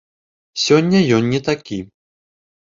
Сёння ён не такі.